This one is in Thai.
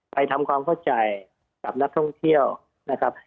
ทำความเข้าใจกับนักท่องเที่ยวนะครับ